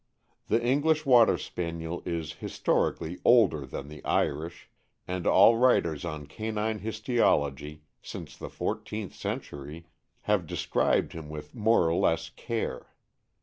The English Water Spaniel is historically older than the Irish, and all writers on canine histiology, since the four teenth century, have described him with more or less care.